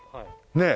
ねえ？